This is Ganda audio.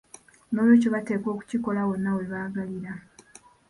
N'olwekyo bateekwa okukikola wonna we baagalira.